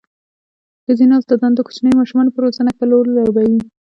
ښځينه استاداني د کوچنيو ماشومانو په روزنه ښه رول لوبوي.